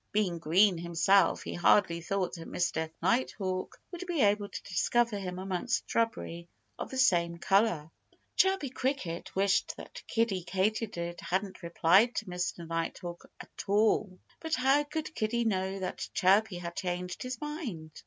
Being green himself, he hardly thought that Mr. Nighthawk would be able to discover him amongst shrubbery of the same color. Chirpy Cricket wished that Kiddie Katydid hadn't replied to Mr. Nighthawk at all. But how could Kiddie know that Chirpy had changed his mind?